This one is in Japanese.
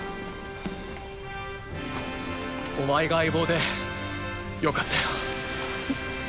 お前が相棒で良かったよ。